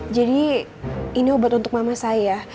jadi ini obat untuk mama saya